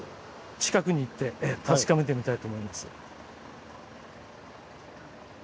近くに行って確かめてみたいと思います。